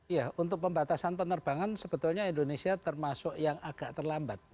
iya untuk pembatasan penerbangan sebetulnya indonesia termasuk yang agak terlambat